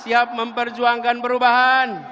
siap memperjuangkan perubahan